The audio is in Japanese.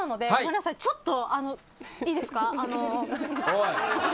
おい！